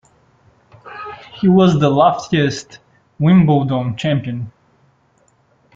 He was the loftiest Wimbledon Champion.